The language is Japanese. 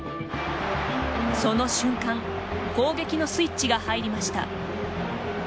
その瞬間攻撃のスイッチが入りました。